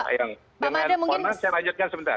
saya lanjutkan sebentar